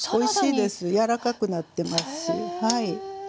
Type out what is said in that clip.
柔らかくなってますし。